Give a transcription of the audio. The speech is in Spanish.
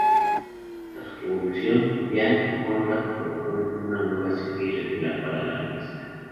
Tras su revolución, Yann y Conrad proponen una nueva serie regular para la revista.